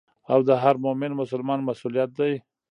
او د هر مؤمن مسلمان مسؤليت دي.